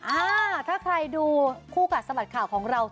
อ่าถ้าใครดูคู่กัดสะบัดข่าวของเรา